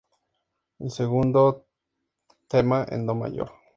El segundo tema en Do mayor.